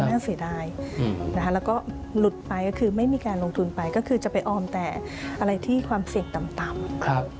อันนี้ก็น่าเสียดายและรุดไปก็คือไม่มีการลงทุนไปจะอ่อมแต่อะไรที่ความเสี่ยงต่ำ